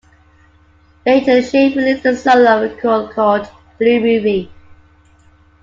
Later Shane released a solo record called "Blue Movie".